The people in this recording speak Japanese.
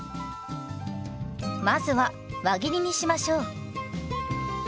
まずは輪切りにしましょう。